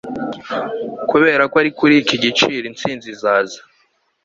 Kubera ko ari kuri iki giciro intsinzi izaza